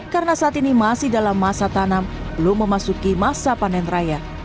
karena saat ini masih dalam masa tanam belum memasuki masa panen raya